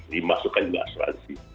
dimasukkan juga asuransi